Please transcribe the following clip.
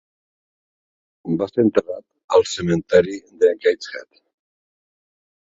Va ser enterrat al cementeri de Gateshead.